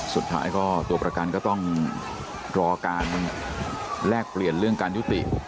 สุดท้ายก็ตัวประกันก็ต้องรอการแลกเปลี่ยนเรื่องการยุติ